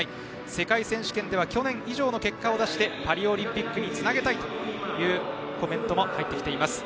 世界選手権では去年以上の結果を出してパリオリンピックにつなげたいというコメントも入ってきています。